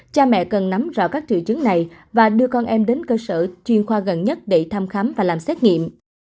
cha mẹ cần nắm rõ các triệu chứng này và đưa con em đến cơ sở chuyên khoa gần nhất để thăm khám và làm xét nghiệm